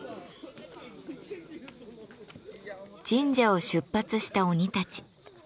神社を出発した鬼たち。